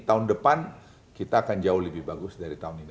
tahun depan kita akan jauh lebih bagus dari tahun ini